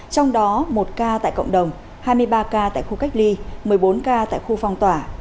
trong đó một ca tại cộng đồng hai mươi ba ca tại khu cách ly một mươi bốn ca tại khu phong tỏa